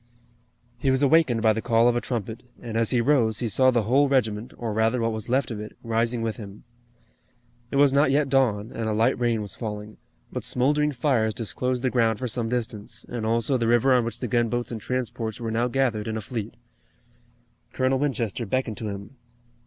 He was awakened by the call of a trumpet, and, as he rose, he saw the whole regiment or rather, what was left of it, rising with him. It was not yet dawn, and a light rain was falling, but smoldering fires disclosed the ground for some distance, and also the river on which the gunboats and transports were now gathered in a fleet. Colonel Winchester beckoned to him.